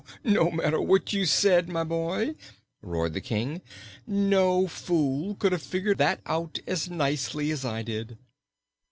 "No matter what you said, my boy," roared the King. "No fool could have figured that out as nicely as I did."